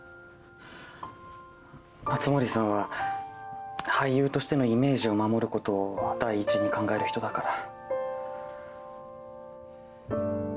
熱護さんは俳優としてのイメージを守ることを第一に考える人だから。